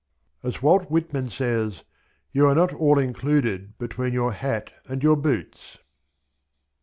As Walt Whitman says: "You are not all included between your hat and your boots."